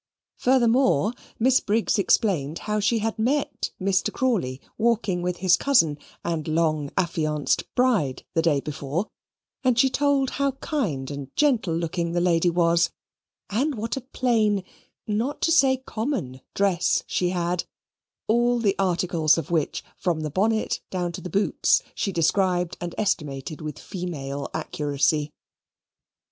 Furthermore, Miss Briggs explained how she had met Mr. Crawley walking with his cousin and long affianced bride the day before: and she told how kind and gentle looking the lady was, and what a plain, not to say common, dress she had, all the articles of which, from the bonnet down to the boots, she described and estimated with female accuracy.